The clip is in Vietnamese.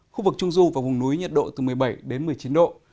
khu vực trung du và vùng núi nhiệt độ từ một mươi bảy đến một mươi chín độ